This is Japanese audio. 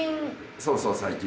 そうそう最近。